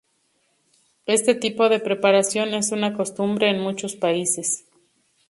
Este tipo de preparación es una costumbre en muchos países.